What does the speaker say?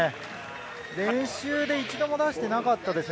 練習で一度も出していなかったですね。